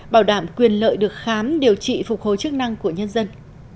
bảo đảm quyền lợi được khám điều trị phục hồi chức năng của nhân dân